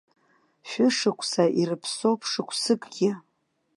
Шәышықәса ирыԥсоуп, шықәсыкгьы.